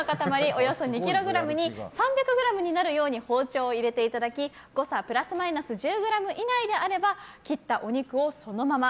およそ２００ｇに３００ｇになるように包丁を入れていただき誤差プラスマイナス１０ｇ以内であれば切ったお肉をそのまま。